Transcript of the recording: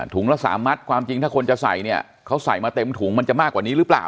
ละสามมัดความจริงถ้าคนจะใส่เนี่ยเขาใส่มาเต็มถุงมันจะมากกว่านี้หรือเปล่า